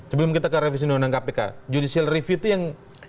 sebelum kita ke revisi undang undang kpk judicial review itu yang